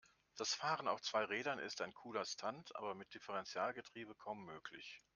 Das Fahren auf zwei Rädern ist ein cooler Stunt, aber mit Differentialgetriebe kaum möglich.